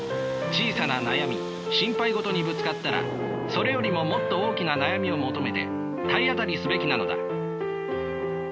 小さな悩み心配事にぶつかったらそれよりももっと大きな悩みを求めて体当たりすべきなのだ。